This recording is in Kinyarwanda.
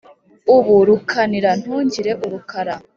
ubu rukanira ntungire urukara